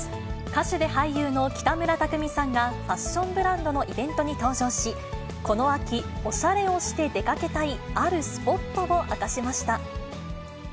歌手で俳優の北村匠海さんが、ファッションブランドのイベントに登場し、この秋、おしゃれをして出かけたい、あるスポットを明かしました。